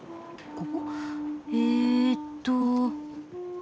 ・・ここ？えっと。